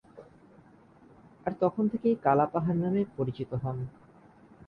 আর তখন থেকেই কালাপাহাড় নামে পরিচিত হন।